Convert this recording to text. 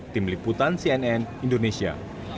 tim liputan cnn indonesia